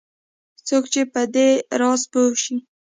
څوک چې په دې راز پوه شي